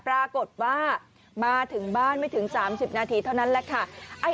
ปรากฏว่ามาถึงบ้านไม่ถึง๓๐นาทีเท่านั้นแหละค่ะ